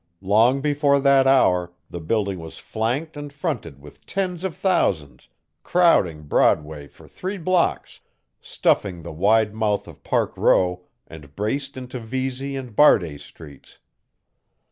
Long before that hour the building was flanked and fronted with tens of thousands, crowding Broadway for three blocks, stuffing the wide mouth of Park Row and braced into Vesey and Barday Streets.